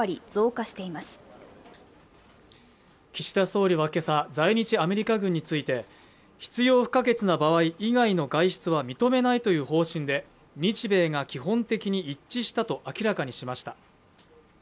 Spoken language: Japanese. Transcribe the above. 岸田総理は今朝、在日アメリカ軍について必要不可欠な場合以外の外出は認めないという方針で日米が基本的に一致したと明らかにしました。